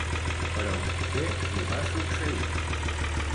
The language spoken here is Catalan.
Però què li va succeir?